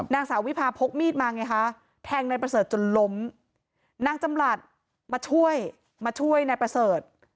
นางสาววิพาพกมีดมาไงคะแทงนายประเสริฐจนล้มนางจำหลัดมาช่วยมาช่วยนายประเสริฐ